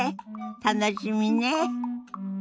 楽しみね。